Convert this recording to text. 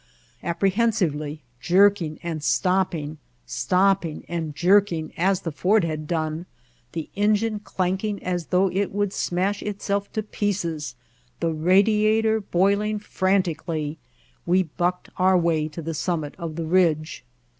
Apprehensively, jerking and stopping, stop ping and jerking, as the Ford had done, the engine clanking as though it would smash itself to pieces, the radiator boiling frantically, we bucked our way to the summit of the ridge.